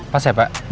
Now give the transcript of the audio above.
pas ya pak